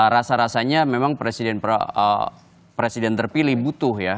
rasa rasanya memang presiden terpilih butuh ya